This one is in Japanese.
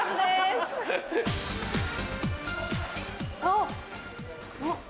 あっ！